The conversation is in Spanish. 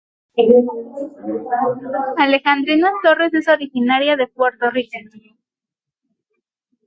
Alejandrina Torres es originaria de Puerto Rico.